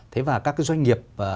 thế và các cái doanh nghiệp